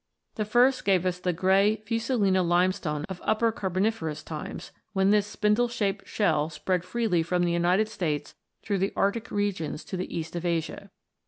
The first gave us the grey Fusulina limestone of Upper Carboniferous times, when this spindle shaped shell spread freely from the United States through the arctic regions to the east of Asia.